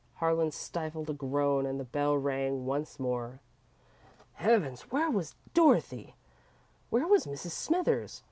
Harlan stifled a groan and the bell rang once more. Heavens! Where was Dorothy? Where was Mrs. Smithers?